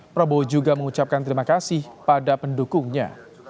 prabowo juga mengucapkan terima kasih pada pendukungnya